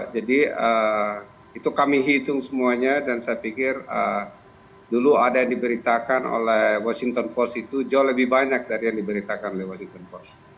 jadi itu kami hitung semuanya dan saya pikir dulu ada yang diberitakan oleh washington post itu jauh lebih banyak dari yang diberitakan oleh washington post